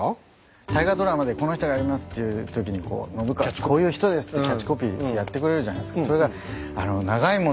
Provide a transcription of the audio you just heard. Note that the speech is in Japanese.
大河ドラマでこの人がやりますっていう時にこう信雄こういう人ですってキャッチコピーやってくれるじゃないですか。